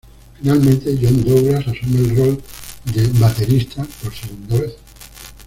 Finalmente, John Douglas asume el rol de baterista por segunda vez.